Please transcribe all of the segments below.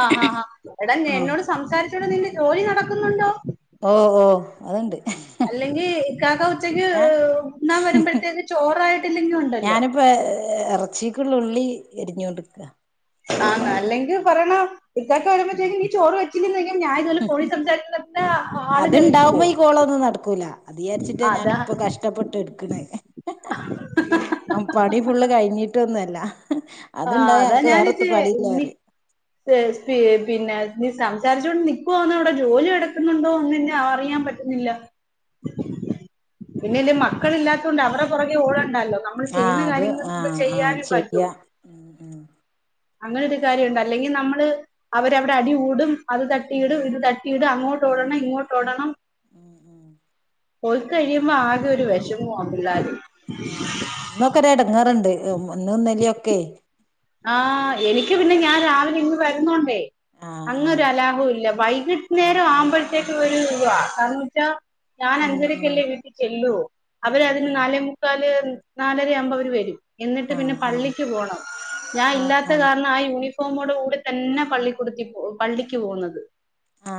ആഹ് ആഹാ എടാ ആഹ് നെന്നോട് സംസാരിച് എടാ നിന്റെ ജോലി നടക്കുന്നുണ്ടോ ഓ ഓ അത്ണ്ട് അല്ലെങ്കി ഇക്കാക്ക ഉച്ചയ്ക്ക് ഉണ്ണാൻ വരുമ്പഴത്തേക്ക് ചോറായിട്ടില്ലെങ്കി ഒണ്ടല്ലോ എറച്ചിക്കുള്ളുള്ളി എരിഞ്ഞോണ്ട്ക്കാ ആന്നാ അല്ലെങ്കി പറയണം ഇക്കാക്ക വരുമ്പ ചോയ്ക്കും നീ ചോറ് വെച്ചില്ലേന്നോയ്ക്കും ഞാനിതുപോലെ ഫോണീ സംസാരിച്ചത അത്ണ്ടാവുമ്പോ ഈ കോളൊന്നും നടക്കൂല്ല അത് ആ, യാരിച്ചിട്ട അതാ ഞാനിപ്പൊ കഷ്ടപ്പെട്ടെടുക്ക്ണ് അം പണി ഫുള്ള് കഴിഞ്ഞി ട്ടൊന്നല്ല ആ അതാ ഞാനിച്ചിയെ [unintelligible] പറയും പിന്നെ നീ സംസാരിച്ചോണ്ട് നിക്കുവാന്നോ അവിടെ ജോലി എടുക്കുന്നുണ്ടോ നിന്നെ അറിയാൻ പറ്റുന്നില്ല പിന്നെയില്ലെ മക്കളില്ലാത്തോണ്ടവരെ പൊറകെ ഓടണ്ടാല്ലോ ങ അത് ങഅ ങഅ ചെയ്യാ. ഉം അങ്ങനൊരു കാര്യുണ്ട് അല്ലെങ്കി നമ്മള് അവരവിടെ അടി കൂടും അത് തട്ടിയിടും ഉം ഇത് തട്ടിയിടും അങ്ങോട്ടോടണം ഉം ഇങ്ങോട്ടോടണം ഉം ഉം പോയ് കഴിയുമ്പോ ആകെ ഒരു വെശം ക്ക് നോമ്പില്ലാടി ങങ്ങ ഇന്നത്തെ ഒരു ഇടങ്ങേറുണ്ട്. ഒന്നന്നല്ല ഒക്കെ ആഎനിക്ക് പിന്നെ ഞാൻ രാവിലെ ഇന്ന് വരുന്നുണ്ടേ ആഹ് ആഹ് അങ്ങൊരു അലാഹവുംല്ല വൈകീട്ട് നേരം ആവുമ്പോഴത്തേക്ക് ഒരു വാ കാരണംമെന്ന് വെച്ചാൽ ഞാൻ ഉം ഉം അഞ്ചരക്കല്ലേ വീട്ടി ചെല്ലു അവര് ആഹ് അതിന് ആഹ് നാലേ മുക്കാല് നാലരയാവുമ്പോ അവര് വരും എന്നിട്ട് ആഹ് പിന്നെ ആഹ് പള്ളിക്ക് പോണം ഞാൻ ആഹ് ഇല്ലാത്ത ആഹ് കാരണയി യൂണിഫോമോടെ കൂടെ തന്നെ പള്ളിക്കൂടുത്തി പള്ളിക്ക് പോകുന്നത് ആ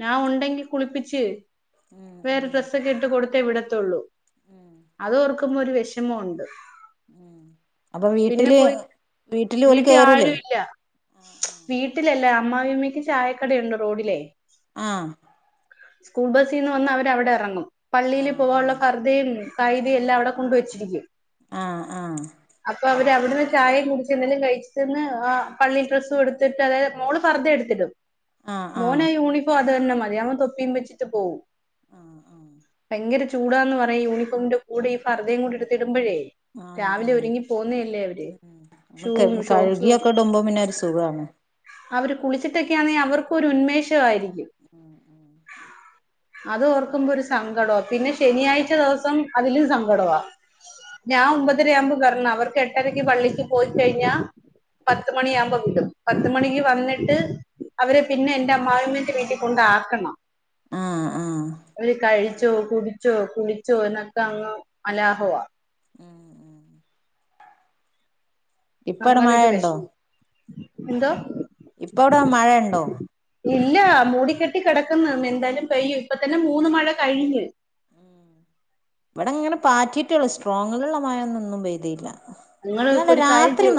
ഞാൻ ഉണ്ടെങ്കി കുളിപ്പിച്ച് ഉം വേറെ ഉം ഡ്രസ്സൊക്കെട്ട് കൊടു ഇവിടെ വിടത്തെ ഒള്ളൂ ഉം അത് ഓർക്ക് ക്കുംന്ന ഒരു വെഷമമുണ്ട് ഉം അപ്പൊ വീട്ടില് വീട്ടില് ഓല് വീട്ടിൽ കേറൂലേ ആരുമില്ല വീട്ടിലല്ല അമ്മാവിമ്മയ്ക്ക് ചായക്കടയുണ്ടോ റോഡിലേ ങാ സ്കൂൾ ബസീന്ന് വന്നാ അവര് അവിടെ ഇറങ്ങും ആഹ് പള്ളിയില് പോവാനുള്ള ആഹ് പർദേന്ന് കയിതയെല്ലാം അവിടെ കൊണ്ടുവെച്ചിരിക്ക ങ ങാ അപ്പൊ അവര് അവിടുന്ന് ചായയും കുടിച്ച് എന്തെലും കഴിച്ചിട്ട് നിന്ന് ആ പള്ളിൽ ഡ്രസ്സും എടുത്തിട്ട് അതായത് മോള് പർദ എടുത്തിട്ടും ആഹ് ആഹ് മോനേ യൂണിഫോ അ അങ്ങനെ തന്നെ മതിയവൻ തൊപ്പീം വെച്ചിട്ട് പോവും ആ ആ ഭയങ്കര ചൂടാന്ന് പറയും യൂണഫോമിന്റെ കൂടെ ഈ പർദയും കൂടി എടുത്ത് ഇടുമ്പോഴേ ആ ആ പോന്നില്ലേ അവര് ഷൂവും ഷോക്സും കഴുകിയൊക്കെ ഇടുമ്പോ പിന്നെ ഒരു സുഖാണ് അവര് കുളിച്ചിട്ടക്കെയാണെ അവർക്കൊരു ഉം ഉന്മേഷവായിരിക്കും ഉം ഉം അത് ഓർക്കുമ്പോ ആഹ് ഒരു സങ്കടം പിന്നെ ശനിയാഴ്ച ദിവസം അതിലൂം സങ്കടവാ ഞാൻ ആഹ് ഒമ്പതര ആകൂമ്പോൾവരണം അവർക്ക് എട്ടരക്ക് പള്ളിക്ക് പോയി കഴിഞ്ഞാൽ പത്ത് മണിയാകുമ്പോ വിടും പത്ത് മണിക്ക് ആഹ് വന്നിട്ട് അവരെ പിന്നെ എന്റെ അമ്മാമ്മേ വീട്ടിൽ കൊണ്ടാക്കണം ആഹ് ആഹ് ഒരു കഴ് ച്ചൊ കുടിച്ചോ കുളിച്ചോ എന്നൊക്കെ അങ്ങ് അലാഹുവ ഉം ഉം ഇപ്പടെ മഴണ്ടൊ എന്തൊ ഇപ്പ വിടെ മഴയ്ണ്ടോ ഇല്ല മൂടിക്കെട്ടി കിടക്കുന്ന് എന്താലും ഉം പെയ്യും ഇപ്പ തന്നെ മൂന്ന് മഴ വിടെ കഴിഞ്ഞ് അങ്ങനെ പാറ്റിട്ടൊള്ളു സ്ട്രോങ്ങിലുള്ള മഴന്നൊന്നും പെയ്തില്ല ങ്ങള് ഇന്നലെ ഒരു കാര്യം രാത്രി ചെയു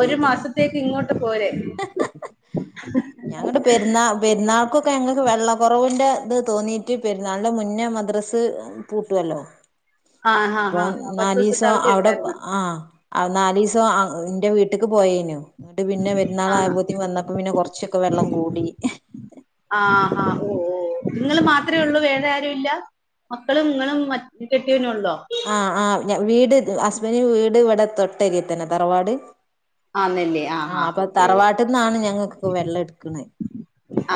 ഒരു മാസത്തേക്ക് ഇങ്ങോട്ട് പോരെ ഹ ഹ ഹ ഞങ്ങക്ക് പെരുന്നാ പെരുന്ന അവ്കൊക്കെ ഞങ്ങൾ വെള്ള കുറവ്ന്റെ ത് തോന്നിട്ട് പെരുന്നാളിന്റെ മുന്നെ മദ്രസ് പൂട്ടൊല്ലൊ ആ ഹാ അപ്പൊ ഹാ പത്ത് ദിവസത്തെ നാലീസം അവധി അവിടെ ഉണ്ടായിരുന്നു പം ആ അഹ് നാലീസം ഇന്റെ വീട്ടെക്ക് പോയനു ങ്ങട്ട് പിന്നെ പെരുന്നാൾ ആണോ ആയപ്പോത്തിന് വന്നപ്പൊ കൊറച്ചൊക്കെ വെള്ളം കൂടി ആ ഹാ ഓ നിങ്ങൾ മാത്രമേ ഉള്ളൂ വേറാരും ഇല്ല മക്കളും ങ്ങളും മറ്റ കെട്ടിയോനും ഉള്ളൂ ആ ആ വീട് ഹസ്ബന്റെ വീട് ഇത് വടെ തൊട്ടരിത്തന്നെ തറവാട് ആന്നല്ലേ ആ ഹാ അപ്പൊ ഓക്കെ തറവാട്ടിന്നാണ് ഞങ്ങൾക്ക് വെള്ളം എടുക്ക്ന്നെ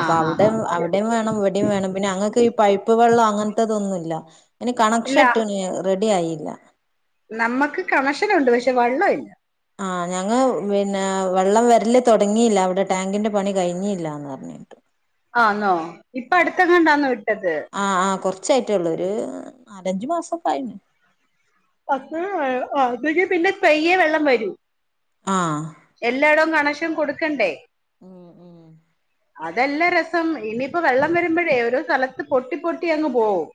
ആ ഹാ അവിടെ ഹാ അവിടെയും വേണം ഇവിടെയും വേണം പിന്നെ അങ്ങക്ക് ഈ പൈപ്പ് വെള്ളം അങ്ങനത്തെതൊന്നുല്ല ഇനി ഇല്ല കണക്ഷൻ ഇട്ട്ണ്റെഡി ആയില്ല നമ്മക്ക് കണശനുണ്ട് പക്ഷെ വള്ളം ഇല്ല ആ ഞങ് പിന്നെ വെള്ളം വരല് തുടങ്ങിയില്ല അവിടെ ടാങ്കിന്റെ പണി കഴിഞ്ഞല്ലാന്ന് പറഞ് ട്ട് ആന്നോ ഇപ്പൊ അടുത്തങ്ങാണ്ടാന്നൊ ഇട്ടത് ച്ചയായിട്ള്ളോ ഒര് നാലഞ്ചു മാസക്കായിണ് [unintelligible] പയ്യേ വെള്ളം വരും ആ എല്ലായിടവും റ്റം കൊടുക്കണ്ടേ ഉം ഉം അതല്ല രസം ഇനിയിപ്പോ വെള്ളം വരുമ്പോഴേ ഓരോ സ്ഥലത്ത് പൊട്ടി പൊട്ടി അങ്ങ് പോവും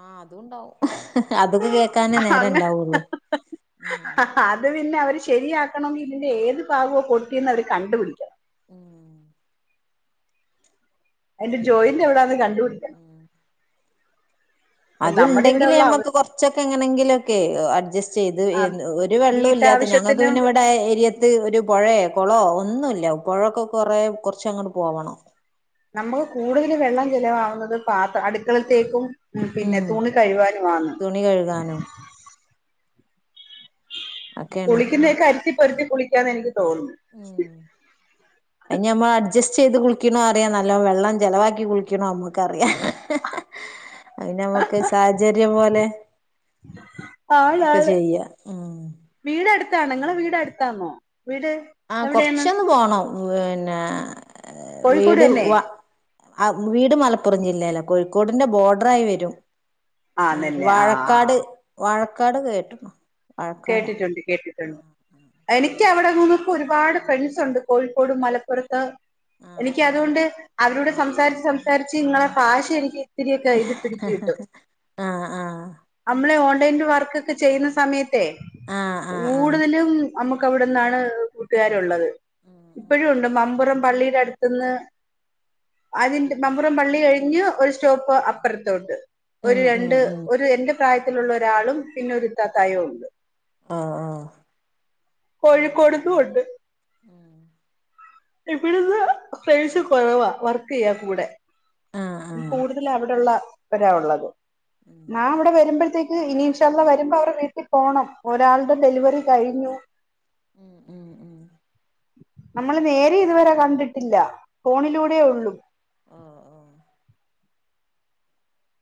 ആ അതുണ്ടാവും അതൊക്കെ കേ [unintelligible] ഉം അത് പിന്നെ അവര് ശരിയാക്കണങ്കി ഇതിന്റെ ഏത് ഭാഗവും കൊടുത്തിരുന്നത് അവര് കണ്ടുപിടിക്കണം ഉം അതിന്റെ ജോയിന്റ് വിടാന്ന് കണ്ട് ഉം നമ്മുടെ അതുണ്ടെങ്കില് ഇവിടെയുള്ള മ്മക്ക് അവസ്ഥ കുറച്ചൊ എങ്ങെനേങ്കിലോക്കേ അഡ്ജസ്റ്റ് ചെയ്ത് വര്ണേ ഒരു വെള്ളവും ഇല്ലാത്ത ഞങ്ങൾക്ക് വീട്ടാവശ്യത്തിനും പിന്നെ ഇവിടെ ഏരിയത്ത് ഒരു പുഴയൊ കോളോ ഒന്നും ഒന്നുല്ല പോഴൊക്കെ കൊറേ കുറച്ച് അങ്ങട്ട് പോവണം നമുക്ക് കൂടുതൽ വെള്ളം ചിലവാവുന്നത് പാത്ര അടുക്കളത്തേക്കും ഉം പിന്നെ തുണി കഴുവാനുമാണ് തുണി കഴുകാനും കുളിക്കുന്നക്കെ അരുത്തി [unintelligible] ഉം അത് നമ്മള് അഡ്ജസ്റ്റ് ചെയ്ത് കുളിക്ക്ണോ അറിയാ നല്ലോം വെള്ളം ചെലവാക്കി കുളിക്കണോ നമ്മക്കറിയാ അതിന് നമക്ക് സാഹചര്യം പോലെ [inaudible] ഒക്കെ ചെയ്യാ ഉം [unintelligible] വീട് അടുത്താന്നോ വീട് ആ എവിടെയാണ് കൊറച്ചൊന്ന് പോണം വനേ കോഴിക്കോട് ന്നെ ആ വീട് മലപ്പുറം ജില്ലേ ല്ലാ കോഴിക്കോടിന്റെ ബോഡറായി വരും ഹേ ആന്നല്ലേ ആ വാഴക്കാട് വാഴ ക്കാട് കേട്ടക്കും കേട്ടിട്ടുണ്ട് കേട്ടിട്ടുണ്ട് എനിക്ക് അവിടെ നമുക്ക് ഒരുപാട് ഫ്രണ്ട്സ് ഒണ്ട് കോഴിക്കോട് മലപ്പുറത്ത് ആഹ് എനിക്ക് അതുകൊണ്ട് ആഹ് അവരോട് സംസാരിച്ച് സംസാരിച്ച് ങ്ങളെ ഭാഷ എനിക്ക് ഇത്തിരിയൊക്കെ ഇത് പിടിച്ച് കിട്ടും ആഹ് ആഹ് നമ്മളെ ഓ ലൈൻ വർക്കൊക്കെ ചെയ്യുന്ന സമയത്ത് [unintelligible] ആഹ് ആഹ് ആഹ് കൂടുതലും നമുക്ക് അവിടന്നാണ് കൂട്ടുകാരൊ ള്ളത് ഇപ്പഴും ഒണ്ട് മമ്പുറം പള്ളിയുടെ അടുത്തുന്ന് അതിന്റെ മമ്പുറം പള്ളി കഴിഞ്ഞ് ഒരു സ്റ്റോപ്പ് അപ്പുറത്തോട്ട് ഉം ഒരു ഉം രണ്ട് ഉം ഒരു എന്റെ പ്രായത്തി ത്തിലുള്ള ഒരാളും പിന്നെ ഒരുരുത്തത്തായും ഒണ്ട് ആ ആ കോഴിക്കോട്ന്നും ഒണ്ട് ഇവിട്ന്ന് ഫ്രണ്ട്സ് കൊറവാ വർക്ക് ചെയ്യാൻ കൂടെ ആഹ് ആഹ് കൂടുതൽ അവിടൊള്ള വരാവുള്ളത് ഉം നാ ഇവിടെ വരുമ്പോഴത്തേ ഇനി ൻഷാഅള്ളാ വരുമ്പോ അവടെ വീട്ടി പോണം ഒരാളുടെ ഡെലിവറി കഴിഞ്ഞു ഉം ഉം ഉം നമ്മള് നേരെ ഇതുവരെ കണ്ടിട്ടില്ല ഫോണിലൂടെയ ഒള്ളൂ ഓഹ് ഓഹ്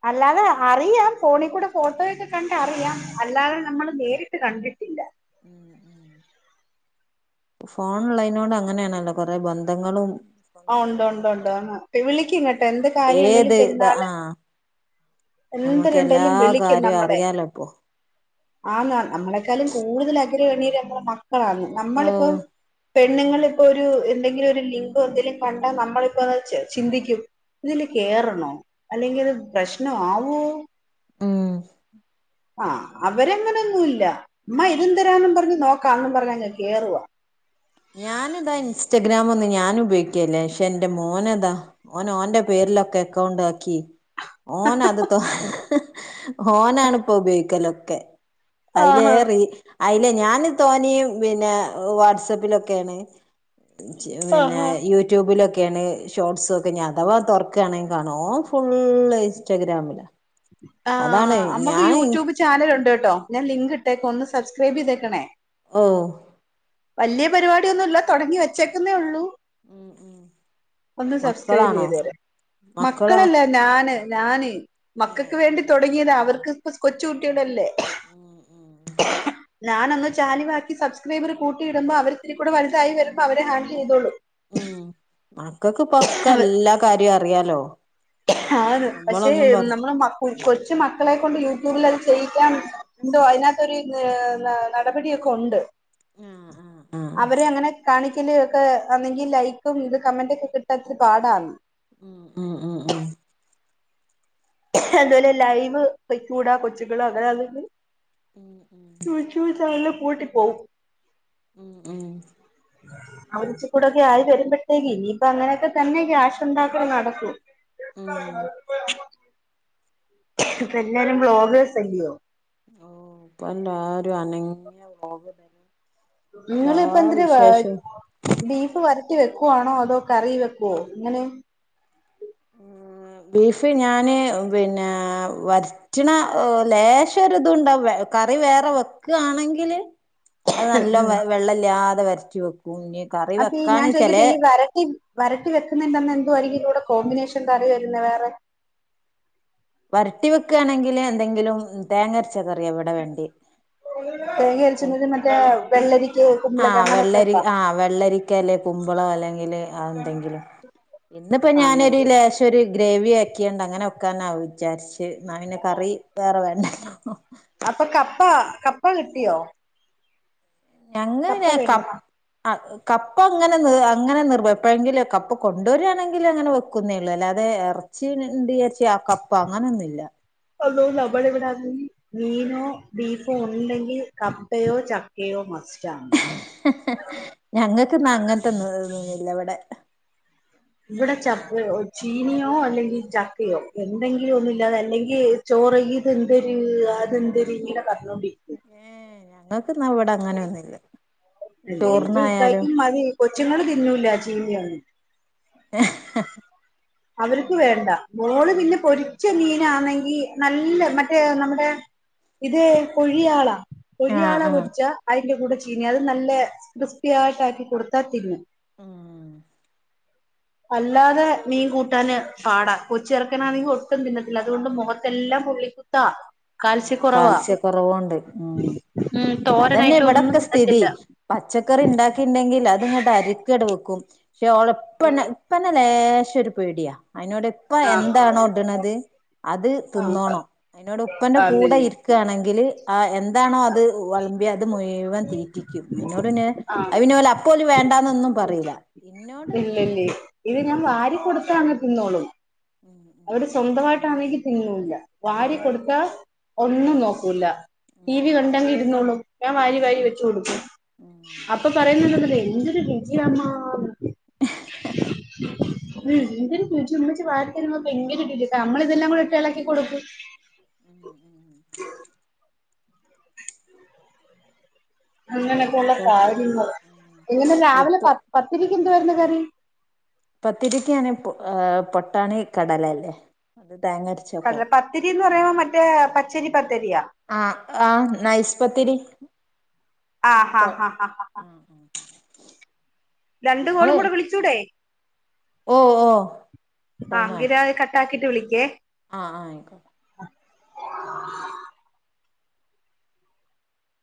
അല്ലാതെ അറിയാം ഫോണിക്കൂടെ ഫോട്ടോയൊക്കെ കണ്ടറിയാം അല്ലാതെ ഉം നമ്മള് നേരി ട്ട് കണ്ടിട്ടില്ല ഫോൺ ഉള്ളെയ്നോണ്ട് അങ്ങനെയാണല്ലോ കൊറെ ബന്ധങ്ങളും ആ ഒണ്ട് ഒണ്ട് ഒക്കെ ഒണ്ട് ആ കിട്ടും വിളിക്കും കേട്ടോ എന്ത് കാര്യണ്ടെലും ഏത് ഇത് പെരുന്നാള് ആ നമുക്ക് എല്ലാ എന്ത്‌ര്ണ്ടെങ്കിലും വിളിക്കും കാര്യവും നമ്മളെ അറിയാലോ ഇപ്പൊ ആന്നാന്ന് നമ്മളെക്കാളും കൂടുതല [inaudible] ആ ന്ന് ഓ നമ്മളിപ്പം പെണ്ണുങ്ങിപ്പോ ഒരു എന്തെങ്കിലും ഒരു ലിങ്കോ അതില് കണ്ട നമ്മളിപ്പോ ചി ചിന്തിക്കും ഇതില് കേറണോ അല്ലെങ്കിൽത് പ്രശ്നാവോ ഉം ആ അവരങ്ങനെയൊന്നുല്ല അമ്മ ഇതും തരാനും പറഞ്ഞു നോ ക്കാന്നും പറഞ്ഞങ് കേറുവ ഞാനിതാ ഇൻസ്റ്റഗ്രാാം ഒന്ന് ഞാൻ ഉപയോഗിക്കല്ലേ പക്ഷെ എന്റെ മോനതാ ഓനോഓന്റെ പേരിലൊക്കെ അക്കൗണ്ട് ആക്കി ഓന അത്ത്തോ ഓനാണ് ഇപ്പൊ ഉപയോഗിക്കലൊക്കെ അയിനെ റി അയില്ലേ ഞാൻ തോനിയും പിന്നെ വാട്സആപ്പിലൊ ക്കേണ് പിന്നെ ആഹ് യൂട്യൂബിലൊക്കെ ക്കെയാണ് ഷോർട്സ ഒക്കെ ഞൻ അഥവാ തുറക്കയാണെങ്കിൽ കാണോ ഓ ഫുള് ഇൻസ്റ്റാഗ്രാമില് ആ മ്മക്ക് യൂട്യൂബ് ചാനലുണ്ട് കേട്ടോ. ഞാൻ ലിങ്ക് ഇട്ടേക്ക ഒന്ന് സ് സബ്സ്ക്രൈബെയ്തേക്കണേ ഓ വല്യ പരിപാടിയൊന്നുല്ല തൊടങ്ങി വെച്ചേക്കുന്നേ ഒള്ളൂ ഉം ഉം ഒന്ന് സബ്സ്ക്രൈബ് മക്കളാണോ ചെയ്തു തരാം മക്കളാ മക്കളല്ല ഞാന് ഞാന് ഏ മക്കക്ക് വേണ്ടി തൊടങ്ങിയതാ അവർക്ക് ഇപ്പ കൊച്ചു കുട്ടിളല്ലേ [inaudible] ഞാനൊന്ന് ചാലിവാക്കി സബ്സ്ക്രൈബർ കൂട്ടിയിടുമ്പോ അവരിത്തിരി കൂടെ വല്തായി വരുമ്പോ അവര് ഹാൻഡില് ചെയ്തോളും. ഉം മക്കക്ക് ഇപ്പൊക്കെല്ലാ കാര്യ അ റിയാലോ ആണ്. പക്ഷെ നമ്മള് മക്ക് കൊച്ച് മക്കളെക്കൊണ്ട് യൂട്യൂബിലെ ചെയ്യിക്കാൻ ഉണ്ടോ അയിനാത്തൊരു നടപടിയൊക്കെ ഉണ്ട്. ആഹ് ആഹ് ആഹ് അവരെ അങ്ങനെ കാണി ക്കില് ഒക്കെ അന്നെങ്കിൽ ലൈക്കും ഇത് കമന്റും ഒക്കെ കിട്ടാ ഇച്ചിരി പാടാണ്. ഉം ഉ ഉം ഉ അതുപോലെ ലൈവ് പൊയ്ക്കൂടാ കൊച്ചുകൾ അങ്ങനാണെങ്കിൽ ഉം ഉം യൂട്യൂബ് ചാനലും പൂട്ടി പോവും ഉം ഉം അവനിച്ചിരിക്കൂടൊക്കെ ആയി വരുമ്പോഴത്തേക്ക് ഇനിയിപ്പ അങ്ങനെയൊക്കെ തന്നെ ക്യാഷ് ഉണ്ടാക്കല് നടക്കു ഉം ഇപ്പ എല്ലരും വ്ലോഗേഴ്സല്ലെയോ ഓ ഇപ്പ എല്ലാരും അനങ്ങിയ [unintelligible] എല്ലാ നിങ്ങളിപ്പ എന്തിന വെ വിശേഷവും ബീഫ് വ രട്ടി വെക്കുവാണോ അതോ കറി വെക്കുവോ ഇങ്ങനെ ആ ബീഫ് ഞാന് പിന്നെ വരറ്റ്ണ ഓ ലേശം ഒരിതുംണ്ടാവും കറി വേറെ വെക്കാണെങ്കില് അത് നല്ലോം വെള്ളല്ലാ വരറ്റി വെക്കും ഇനി കറി അപ്പൊ ഈ ഞാൻ വെക്കാന് ചില ചോയിക്കട്ടെ ഈ വരട്ടി വരട്ടി വെക്കുന്നുണ്ടന്ന് എന്തു ആരിക്കും ഇന്റെ കൂടെ കോമ്പിനേഷൻ കറി വരുന്ന വേറെ വരട്ടി വെക്കാണെങ്കില് എന്തെങ്കിലും തേങ്ങ അര തേങ്ങ അരച്ചത് മറ്റേ വെള്ളരി ആഹ് വെള്ളരി ആ വെള്ളരിക്കല്ലേ കുമ്പളോ അല്ലെങ്കില് എന്തെങ്കിലും ഇന്നിപ്പോ ഞാനൊരു ആണല്ലേ ലേശൊര് ഗ്രേവി ആക്കിയിണ്ട് അങ്ങനെ വക്കാനാ വിചാരിച്ചു എന്നാ പിന്നെ കറി വേറെ വേണ്ട [inaudible] കപ്പാ കപ്പ കിട്ടിയോ ഞങ്ങ പിന്നെ കപ്പ കപ്പ അങ്ങനെ നി അങ്ങനെ നിർ എപ്പോഴെങ്കിലും കപ്പ കൊണ്ടുവര്യയാണെങ്കിൽ അങ്ങനെ വെക്കുന്നേ ഉള്ളൂ അല്ലാതെ ഇറച്ചിയിണ്ട് വിചാരിച്ചി കപ്പ അങ്ങനെയൊന്നുമില്ല അള്ളോ നമ്മളെ ഇവിടെ ആണെങ്കിൽ മീനോ ബീഫോ ഉണ്ടെങ്കിൽ കപ്പയോ ചക്കയോ മസ്റ്റാ ഞങ്ങൾക്ക്ന്ന് അങ്ങനത്തൊന്ന് ഇല്ലിവിടെ ഇവിടെ ചക്ക ചീനിയോ അല്ലെങ്കിൽ ചക്കയോ എന്തെങ്കിലും ഒന്നുമില്ലാതെ അല്ലെങ്കിൽ ചോറ് ഇത് എന്തര് അതെന്തര് ഇങ്ങനെ പറഞ്ഞോണ്ടിരിക്കും ഏ ഞങ്ങൾക്ക്ന്നാ ഇവിടെ അങ്ങനെയൊന്നുല്ല എനിക്കും ചോറിനായാലും ഇത്തായിക്കും മതി കൊച്ചുങ്ങൾ തിന്നൂല ലാന്ന് ഹ അവർക്ക് വേണ്ട മോള് പിന്നെ പൊരിച്ച മീനാന്നെങ്കി ഈ നല്ല മറ്റേ നമ്മുടെ ഇതേ കൊഴിയാളാ ആഹ് കൊഴിയാള ആഹ് പൊരിച്ച ഐ അതിന്റെ കൂടെ ചീനി അത് നല്ല ക്രിസ്പിയായിട്ട് ആക്കി കൊടുത്താ തിന്നും [inaudible] അല്ലാതെ കൂട്ടാന് പാടാ കൊച്ചെറുക്കൻ ഉം ആണെങ്കിൽ ഒട്ടും തിന്നതിലാ അതുകൊണ്ട് മുഖത്തെല്ലാം പുള്ളിക്കുത്താ ആ കാൽസ്യക്കുറവാ കാൽസ്യക്കുറവുണ്ട് ഉ ഉം അതെന്നെ തോരനായിട്ട് ഒന്നും ഇവിടൊക്കെ സ്ഥിതി തിന്നത്തില്ല പച്ചക്കറി ഉണ്ടാക്കിണ്ടെങ്കിൽ അത് അതങ്ങട്ട് അരിക്കട വെക്കും പക്ഷെ ഓളെഉപ്പനെ ഇപ്പനെ ലേശം ഒരു പേടിയാ അതിനോട് ഇപ്പ ആഹ് എന്താണോ ഇടണത് അത് ആഹ് തിന്നോണം അതിനോട് കൂടെ അതന്നെ ഇരിക്കുകയാണ് എ ങ്കിൽ ആ എന്താണോ അത് വിളമ്പിയ അത് മുഴുവൻ തീറ്റിക്കും എന്നോട് പിന്നെ ആഹ് അയ് പിന്നോല് പോലും വേണ്ടാന്നൊന്നും പറയില്ല ഇന്നോട് ഇല്ലല്ലേ ഇത് ഞാൻ ഉം വാരി കൊടു ത്താ തിന്നോളും ഉം ഉം അവര് സ്വന്തമായി ട്ടാണെങ്കിൽ തിന്നൂല്ല വാരി കൊടുത്ത ഒന്നും നോക്കൂല ഉം ടി ഉം വി ഉം കണ്ടെങ്കിൽ ഇരുന്നുള്ളും ഞാൻ വാരി ഉം വാരി വെച്ച കൊടുക്കു അപ്പൊ പറയുന്നുല്ലേ എന്തൊരു രുചിയ് അമ്മ [unintelligible] ഭയങ്കര ഇട്ട നമ്മള ഇതെല്ലാം കൂടി ഇട്ട് ഇളക്കി കൊടുക്കും ഉം ഉം അങ്ങനെയൊക്കെയ ഉള്ള അപ്പൊ ഉം കാര്യങ്ങൾ ഉം ഇങ്ങനെ രാവിലെ ഇപ്പൊ പ പത്തി എന്തായിന്നു കറി പത്തിരിക്കാണ് പൊട്ടാണി കടലല്ലേ തേങ്ങ അരച്ചൊക്കെ പത്തിരിന്ന് പറയുമ്പോ മറ്റേ ചില്ലി പത്തരീ യ ആ ആ നൈസ്പത്തിരി [inaudible] ആ ഹാ ഹാ ഹാ ഹാ രണ്ടു കോ ളും കൂടെ വിളിച്ചൂട ഓ ഓ ആങ്കിര കട്ടാക്കി വിളിക്കേ ആ ആയിക്കോ